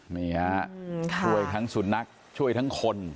นี่ฮะช่วยทั้งสุนัขช่วยทั้งคน